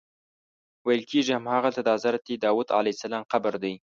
ویل کېږي همغلته د حضرت داود علیه السلام قبر دی.